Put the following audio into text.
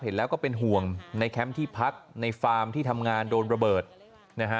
เห็นแล้วก็เป็นห่วงในแคมป์ที่พักในฟาร์มที่ทำงานโดนระเบิดนะฮะ